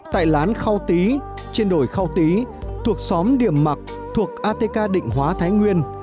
tại lán khao tý trên đồi khao tý thuộc xóm điểm mạc thuộc atk định hóa thái nguyên